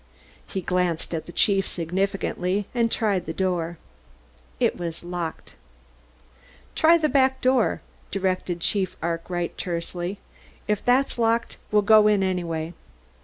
He glanced at the chief significantly, and tried the door. It was locked. "Try the back door," directed Chief Arkwright tersely. "If that's locked we'll go in anyway."